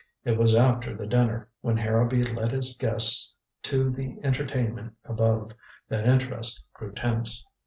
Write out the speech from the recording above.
It was after the dinner, when Harrowby led his guests to the entertainment above, that interest grew tense.